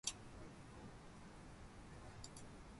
今日はカレーが食べたいな。